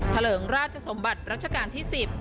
เลิงราชสมบัติรัชกาลที่๑๐